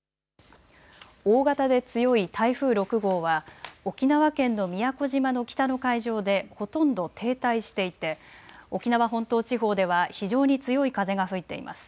大型で強い台風６号は沖縄県の宮古島の北の海上でほとんど停滞していて沖縄本島地方では非常に強い風が吹いています。